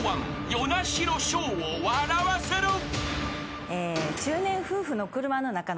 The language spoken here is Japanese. ［笑わせろ］